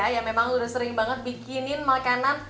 ya memang udah sering banget bikinin makanan